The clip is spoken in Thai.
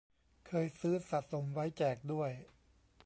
เคยซื้อสะสมไว้แจกด้วย